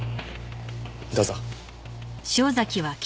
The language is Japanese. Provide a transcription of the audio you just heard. どうぞ。